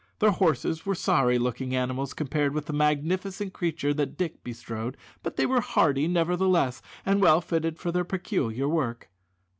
Their horses were sorry looking animals compared with the magnificent creature that Dick bestrode, but they were hardy, nevertheless, and well fitted for their peculiar work.